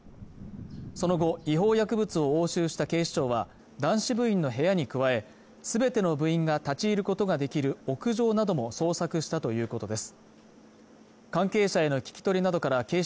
その後違法薬物を押収した警視庁は男子部員の部屋に加え全ての部員が立ち入ることができる屋上なども捜索したということです